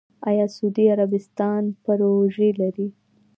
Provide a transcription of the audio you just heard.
آیا سعودي عربستان پروژې لري؟